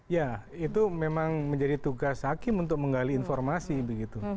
ya itu memang menjadi tugas hakim untuk menggali informasi begitu